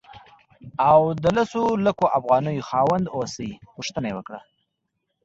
او د لسو لکو افغانیو خاوند اوسې پوښتنه یې وکړه.